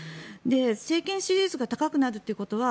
政権支持率が高くなるということは